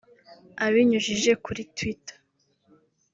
Abinyujije kuri Twitter